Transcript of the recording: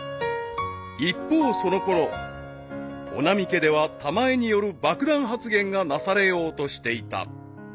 ［一方そのころ穂波家ではたまえによる爆弾発言がなされようとしていた］